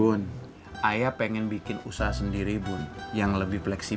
bun ayah pengen bikin usaha sendiri bun yang lebih fleksibel